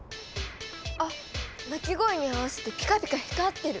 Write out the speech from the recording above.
あ鳴き声に合わせてピカピカ光ってる。